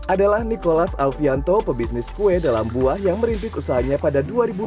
adalah nikolas alfianto pebisnis kue dalam buah yang merintis usahanya pada dua ribu dua belas